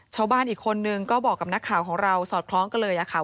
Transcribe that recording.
ชาวบ้านอีกคนนึงก็บอกกับนักข่าวของเราสอดคล้องกันเลยค่ะ